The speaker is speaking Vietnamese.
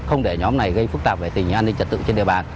không để nhóm này gây phức tạp về tình hình an ninh trật tự trên địa bàn